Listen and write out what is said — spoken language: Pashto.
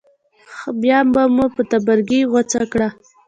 بیا به مو په تبرګي غوڅه کړه.